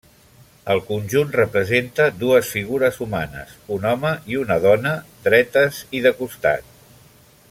El conjunt representa dues figures humanes, un home i una dona, dretes i de costat.